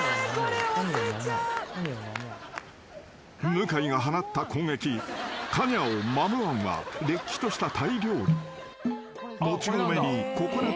［向井が放った攻撃カオニャオ・マムアンはれっきとしたタイ料理］